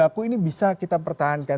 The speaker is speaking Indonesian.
bahan baku ini bisa kita pertahankan